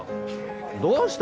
どうした？